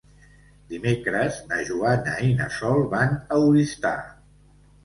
Dimecres na Joana i na Sol van a Oristà.